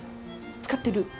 使ってる？